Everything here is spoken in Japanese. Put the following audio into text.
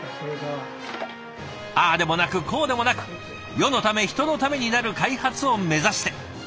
ああでもなくこうでもなく世のため人のためになる開発を目指して。